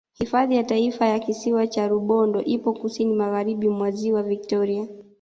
Hifadhi ya Taifa ya Kisiwa cha Rubondo ipo Kusini Magharibi mwa Ziwa Victoria